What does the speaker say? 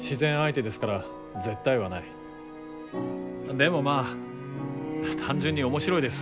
でもまあ単純に面白いです